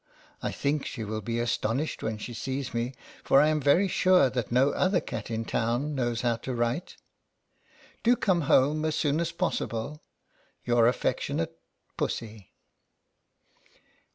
I think she will be astonished when she sees me, for I am very sure that no other cat in town knows how to write. Do come home as soon as possible. Your affectionate PUSSY.